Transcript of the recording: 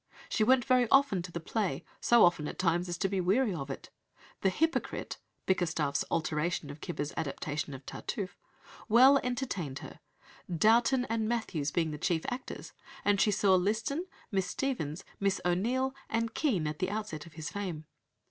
She went very often to the play, so often at times as to be weary of it. The Hypocrite (Bickerstaff's "alteration" of Cibber's "adaptation" of Tartuffe) "well entertained" her, Dowton and Mathews being the chief actors; and she saw Liston, Miss Stephens, Miss O'Neill, and Kean at the outset of his fame.